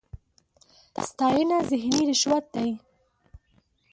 ستاېنه ذهني رشوت دی.